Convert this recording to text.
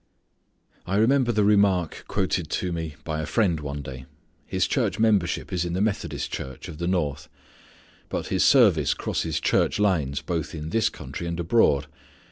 I remember the remark quoted to me by a friend one day. His church membership is in the Methodist Church of the North, but his service crosses church lines both in this country and abroad.